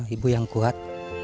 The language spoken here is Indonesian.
ibu yang kuat